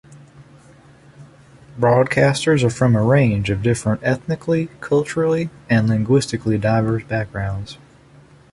Broadcasters are from a range of different ethnically, culturally and linguistically diverse backgrounds.